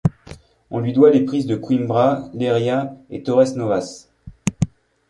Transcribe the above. On lui doit les prises de Coïmbra, Leiria et Torres Novas.